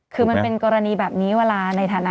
คือมันเป็นกรณีแบบนี้เวลาในฐานะ